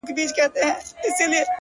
• د زړه آواز دی څوک به یې واوري؟ ,